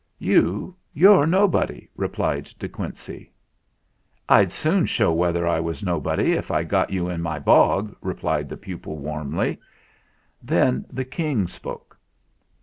"You you're nobody," replied De Quincey. "I'd soon show whether I was nobody if I got you in my bog!" replied the pupil warmly. Then the King spoke.